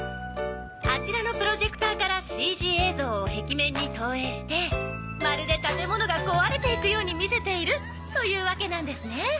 あちらのプロジェクターからＣＧ映像を壁面に投影してまるで建物が壊れていくように見せているというわけなんですね。